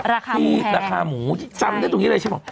ราคาหมูแพงราคาหมูจำได้ตรงนี้เลยใช่ป่ะ